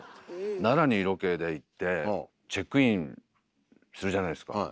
奈良にロケで行ってチェックインするじゃないですか。